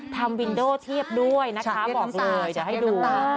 ทำวินโดเทียบด้วยนะคะบอกเลยเดี๋ยวให้ดู